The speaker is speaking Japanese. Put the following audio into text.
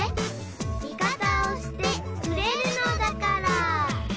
「味方をしてくれるのだから」